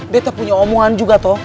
betta punya omongan juga toh